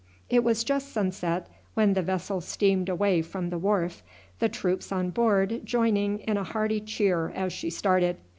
It was just sunset when the vessel steamed away from the wharf, the troops on board joining in a hearty cheer as she started.